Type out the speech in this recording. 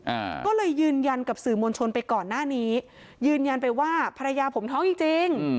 อ่าก็เลยยืนยันกับสื่อมวลชนไปก่อนหน้านี้ยืนยันไปว่าภรรยาผมท้องจริงจริง